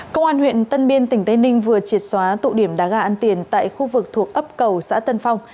công an huyện tân biên tỉnh tây ninh vừa triệt xóa tụ điểm đá gà ăn tiền tại khu vực thuộc ấp cầu xã tân phong